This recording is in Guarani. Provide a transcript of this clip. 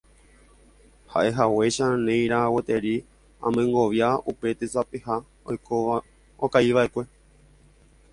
Ha'ehaguéicha ne'írã gueteri amyengovia upe tesapeha okaiva'ekue.